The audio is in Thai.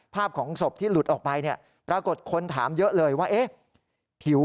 ภาพของศพที่หลุดออกไปเนี่ยปรากฏคนถามเยอะเลยว่าเอ๊ะผิว